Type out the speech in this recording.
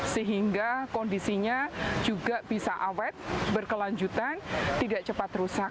sehingga kondisinya juga bisa awet berkelanjutan tidak cepat rusak